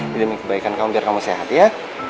demi kebaikan kamu biar kamu sehat ya